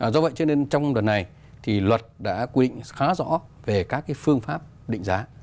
do vậy cho nên trong đợt này thì luật đã quy định khá rõ về các phương pháp định giá